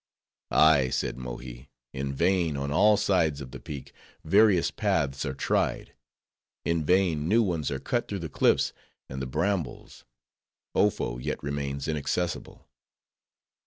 "Ay," said Mohi, "in vain, on all sides of the Peak, various paths are tried; in vain new ones are cut through the cliffs and the brambles:— Ofo yet remains inaccessible."